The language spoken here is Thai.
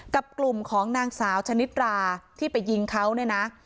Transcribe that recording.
กับกลุ่มของนางสาวชนิดราที่ไปยิงเขา